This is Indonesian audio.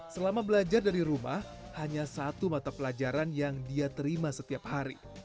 selama belajar dari rumah hanya satu mata pelajaran yang dia terima setiap hari